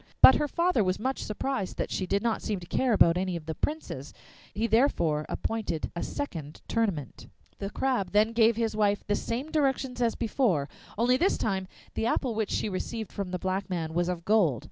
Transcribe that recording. But her father was much surprised that she did not seem to care about any of the Princes; he therefore appointed a second tournament. The Crab then gave his wife the same directions as before, only this time the apple which she received from the black man was of gold.